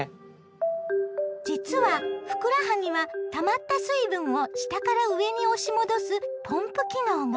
実はふくらはぎはたまった水分を下から上に押し戻すポンプ機能が。